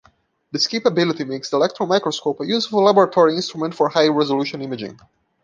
This capability makes the electron microscope a useful laboratory instrument for high resolution imaging.